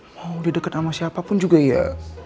mau di deket sama siapapun juga ya